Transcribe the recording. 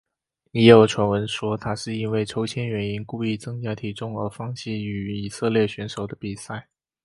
也有传闻说他是因为抽签原因故意增加体重而放弃与以色列选手的比赛。